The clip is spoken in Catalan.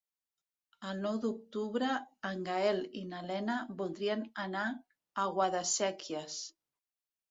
El nou d'octubre en Gaël i na Lena voldrien anar a Guadasséquies.